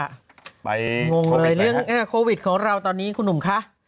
ไปโควิดไปนะฮะงงเลยเรื่องโควิดของเราตอนนี้คุณหนุ่มค่ะ